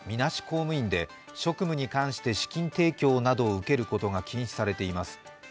公務員で職務に関して資金提供などを受けることが禁止されています。